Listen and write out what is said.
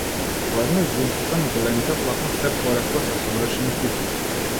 Воедно и глумците на големите платна сѐ поретко се совршени кукли.